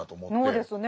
そうですね。